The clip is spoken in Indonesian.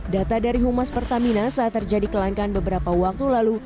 data dari humas pertamina saat terjadi kelangkaan beberapa waktu lalu